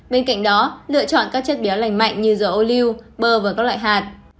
bên cạnh đó lựa chọn các chất béo lành mạnh như dầu ô lưu bơ và các loại hạt